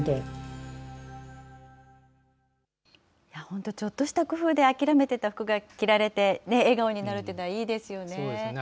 本当、ちょっとした工夫で諦めてた服が着られて、笑顔になるっていうのはいいですよね。